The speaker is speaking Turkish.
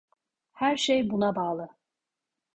Her şey buna bağlı.